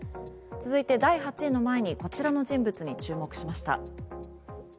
続いて、第８位の前にこちらの人物に注目しました。